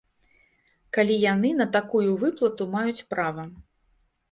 Калі яны на такую выплату маюць права.